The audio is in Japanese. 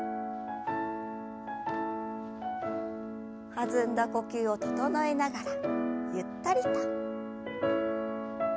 弾んだ呼吸を整えながらゆったりと。